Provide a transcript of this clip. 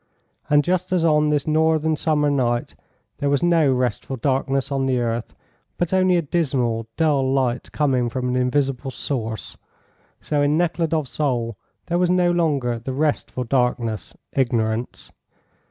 And just as on this northern summer night there was no restful darkness on the earth, but only a dismal, dull light coming from an invisible source, so in Nekhludoff's soul there was no longer the restful darkness, ignorance.